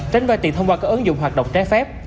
tránh vay tiền thông qua các ứng dụng hoạt động trái phép